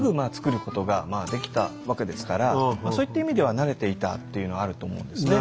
そういった意味では慣れていたっていうのはあると思うんですね。